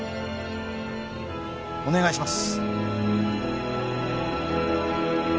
お願いします